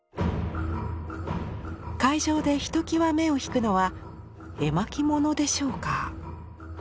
会場でひときわ目を引くのは絵巻物でしょうか？